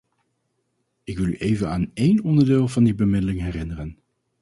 Ik wil u even aan één onderdeel van die bemiddeling herinneren.